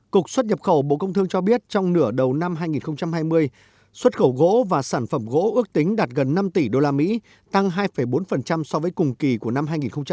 cục xuất nhập khẩu bộ công thương cho biết trong nửa đầu năm hai nghìn hai mươi xuất khẩu gỗ và sản phẩm gỗ ước tính đạt gần năm tỷ usd tăng hai bốn so với cùng kỳ của năm hai nghìn một mươi chín